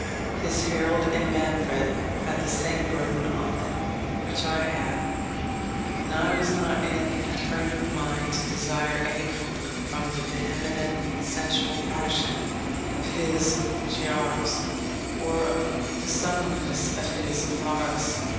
His Harold and Manfred had the same burden on them which I had; and I was not in a frame of mind to desire any comfort from the vehement sensual passion of his Giaours, or the sullenness of his Laras.